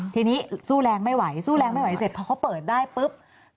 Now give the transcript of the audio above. ทีนี้สู้แรงไม่ไหวเสร็จเพราะเขาเปิดได้ปุ๊บ